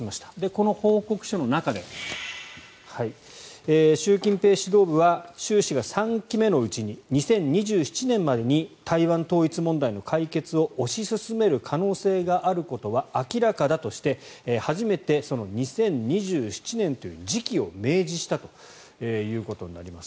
この報告書の中で習近平指導部は習氏が３期目のうちに２０２７年までに台湾統一問題の解決を推し進める可能性があることは明らかだとして初めてその２０２７年という時期を明示したということになります。